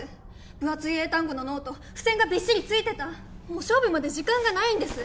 分厚い英単語のノート付箋がびっしり付いてたもう勝負まで時間がないんです